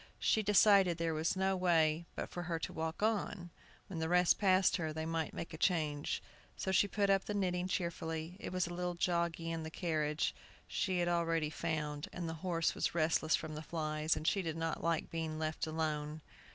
She decided there was no way but for her to walk on. When the rest passed her, they might make a change. So she put up knitting cheerfully. It was a little joggly in the carriage, she had already found, for the horse was restless from the flies, and she did not like being left alone.